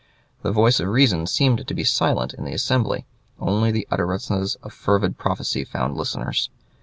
The voice of reason seemed to be silent in the Assembly; only the utterances of fervid prophecy found listeners.